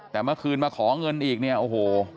แต่เมื่อคืนมาขอเงินอีกเนี่ยโอ้โห